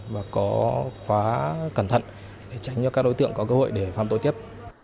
và có khóa cẩn thận để tránh cho các đối tượng có cơ hội để phạm tội tiếp